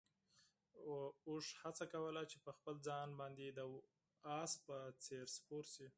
اوښ هڅه کوله چې په خپل ځان باندې د اس په څېر سپور شي.